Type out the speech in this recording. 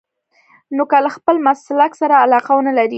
نو که له خپل مسلک سره علاقه ونه لرئ.